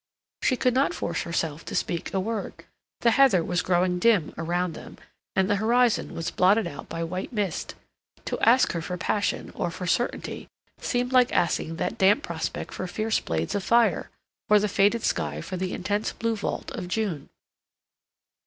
She could not force herself to speak a word. The heather was growing dim around them, and the horizon was blotted out by white mist. To ask her for passion or for certainty seemed like asking that damp prospect for fierce blades of fire, or the faded sky for the intense blue vault of June.